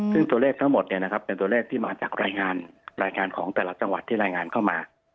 ซึ่งตัวเลขทั้งหมดเป็นตัวเลขที่มาจากรายงานรายงานของแต่ละจังหวัดที่รายงานเข้ามา